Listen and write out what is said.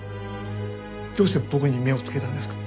どうして僕に目をつけたんですか？